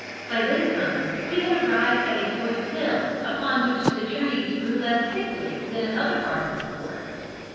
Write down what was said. By this time we had arrived at a sort of hill, upon which the trees grew less thickly than at other parts of the forest.